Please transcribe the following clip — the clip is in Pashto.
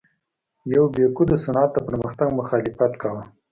یوبیکو د صنعت د پرمختګ مخالفت کاوه.